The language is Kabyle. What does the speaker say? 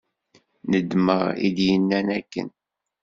Nedmeɣ i d-yennan akken.